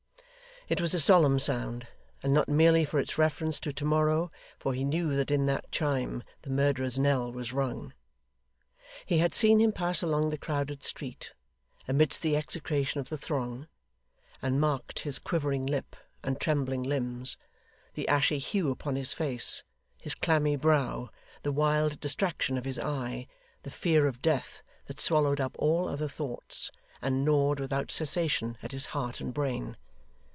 It was a solemn sound, and not merely for its reference to to morrow; for he knew that in that chime the murderer's knell was rung. He had seen him pass along the crowded street, amidst the execration of the throng; and marked his quivering lip, and trembling limbs; the ashy hue upon his face, his clammy brow, the wild distraction of his eye the fear of death that swallowed up all other thoughts, and gnawed without cessation at his heart and brain.